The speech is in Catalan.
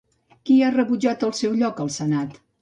Qui ha rebutjat el seu lloc al Senat?